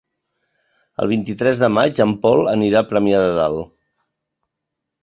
El vint-i-tres de maig en Pol anirà a Premià de Dalt.